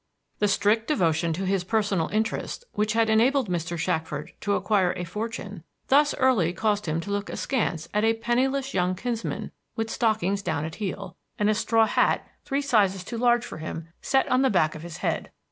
The strict devotion to his personal interests which had enabled Mr. Shackford to acquire a fortune thus early caused him to look askance at a penniless young kinsman with stockings down at heel, and a straw hat three sizes too large for him set on the back of his head.